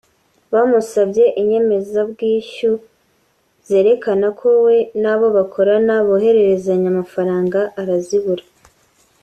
Bamusabye inyemezabwishyu zerekana ko we n’abo bakorana bohererezanya amafaranga arazibura